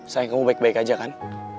sayang kamu baik baik aja kan